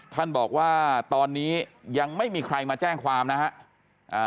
ท่านบอกว่าตอนนี้ยังไม่มีใครมาแจ้งความนะฮะ